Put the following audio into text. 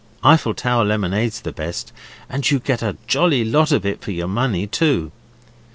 Eiffel Tower lemonade's the best, and you get a jolly lot of it for your money too.